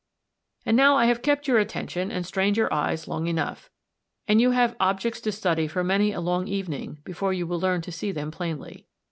And now I have kept your attention and strained your eyes long enough, and you have objects to study for many a long evening before you will learn to see them plainly.